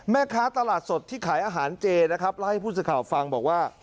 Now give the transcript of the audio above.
แม่ค้าตลาดสดที่ขายอาหารเจนะครับเล่าให้ผู้สื่อข่าวฟังบอกว่า